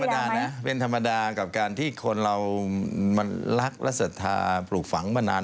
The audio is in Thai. นะเป็นธรรมดากับการที่คนเรามันรักและศรัทธาปลูกฝังมานาน